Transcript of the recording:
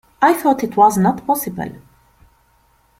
I thought it was not possible.